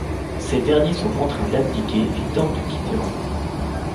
Ces derniers sont contraints d'abdiquer et tentent de quitter Rome.